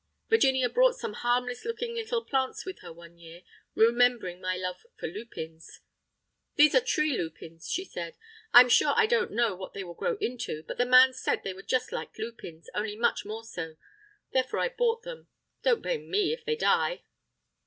Virginia brought some harmless looking little plants with her one year, remembering my love for lupins. "These are tree lupins," she said. "I'm sure I don't know what they will grow into, but the man said they were just like lupins, only much more so; therefore I bought them. Don't blame me if they die."